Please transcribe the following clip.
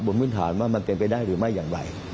พื้นฐานว่ามันเป็นไปได้หรือไม่อย่างไร